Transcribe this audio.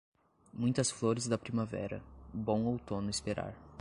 Muitas flores da primavera, bom outono esperar.